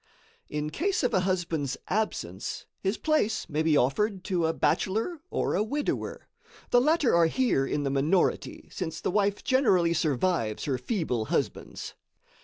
In case of a husband's absence, his place may be offered to a bachelor or a widower. The latter are here in the minority, since the wife generally survives her feeble husbands.